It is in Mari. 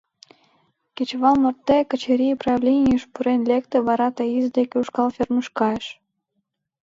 Кечывал марте Качырий правленийыш пурен лекте, вара Таис деке ушкал фермыш кайыш.